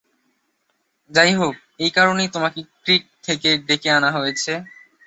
যাই হোক, এই কারণেই তোমাকে ক্রিট থেকে ডেকে আনা হয়েছে।